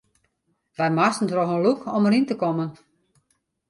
Wy moasten troch in lûk om deryn te kommen.